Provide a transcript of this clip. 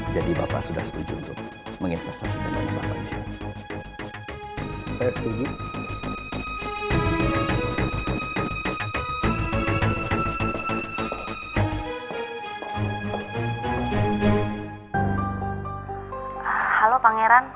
jadi bapak sudah setuju untuk mengintestasi dengan bapak rissa